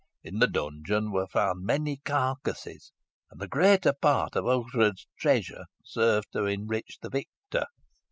In the dungeon were found many carcasses, and the greater part of Ughtred's treasure served to enrich the victor.